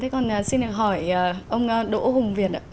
còn xin được hỏi ông đỗ hùng việt ạ